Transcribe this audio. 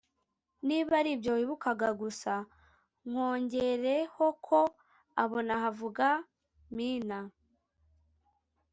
niba aribyo wibukaga gusa, nkongerehoko aba na havugamina